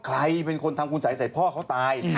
ใครเป็นคนทำคุณสัยใส่พ่อเขาตาย